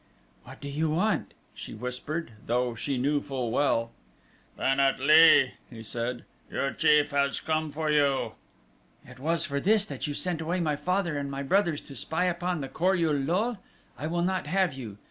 "What do you want?" she whispered, though she knew full well. "Pan at lee," he said, "your chief has come for you." "It was for this that you sent away my father and my brothers to spy upon the Kor ul lul? I will not have you.